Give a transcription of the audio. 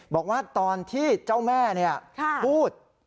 บอกว่าตอนที่เจ้าแม่พูด